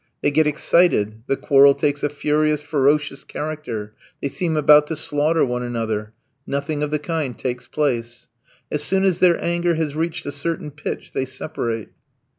They get excited; the quarrel takes a furious, ferocious character; they seem about to slaughter one another. Nothing of the kind takes place. As soon as their anger has reached a certain pitch they separate.